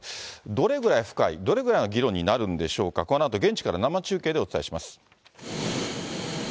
どれぐらい深い、どれぐらいの議論になるんでしょうか、このあと、現地から生中継でお伝えします。